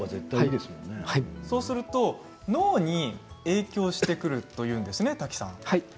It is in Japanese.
そうすると脳に影響してくるんですね。